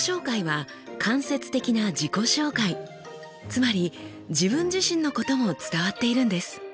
つまり自分自身のことも伝わっているんです。